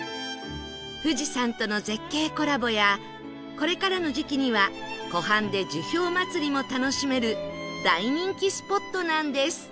富士山との絶景コラボやこれからの時期には湖畔で樹氷まつりも楽しめる大人気スポットなんです